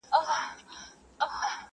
پوښتني لا هم ژوندۍ پاتې کيږي تل,